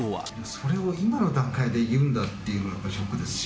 それを今の段階で言うんだっていうのがショックですし。